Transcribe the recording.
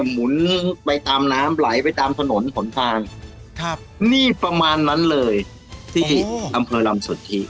หมุนไปตามน้ำไหลไปตามถนนผลทางครับนี่ประมาณนั้นเลยที่อำเภอลำสุทธิ